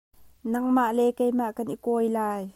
Nangmah le keimah kan i kawi lai.